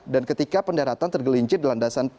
dan ketika pendaratan tergelincir di landasan pantai